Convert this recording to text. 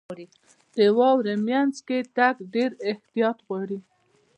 • د واورې مینځ کې تګ ډېر احتیاط غواړي.